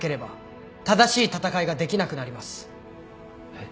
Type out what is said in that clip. えっ？